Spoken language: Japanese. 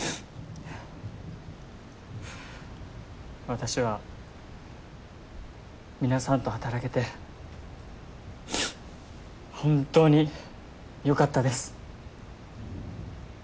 私は皆さんと働けて本当によかったです。